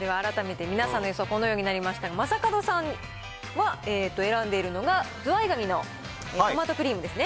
では改めて皆さんの予想、このようになりましたが、選んでいるのがズワイガニのトマトクリームですね。